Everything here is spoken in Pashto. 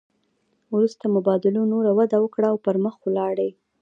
وروسته مبادلو نوره وده وکړه او پرمخ ولاړې